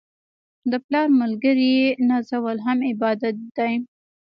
د پلار ملګري نازول هم عبادت دی.